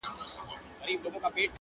پوره اتلس سوه کاله چي خندا ورکړه خو؛